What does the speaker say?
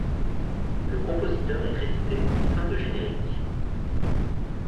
Le compositeur est crédité en fin de générique.